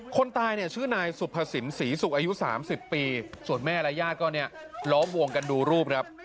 คนตายชื่อนายสุภสิมศรีสุขอายุ๓๐ปีส่วนแม่และญาติก็ล้อบวงกันดูรูป